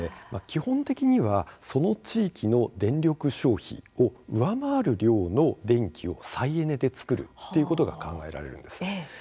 基本的には、その地域の電力消費を上回る量の電気を再エネで作るというのが考えられるんです。